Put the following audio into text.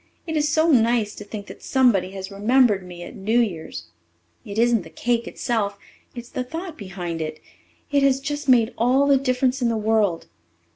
It is so nice to think that somebody has remembered me at New Year's. It isn't the cake itself it's the thought behind it. It has just made all the difference in the world.